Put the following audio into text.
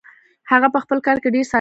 هغه پهخپل کار کې ډېر صادق دی.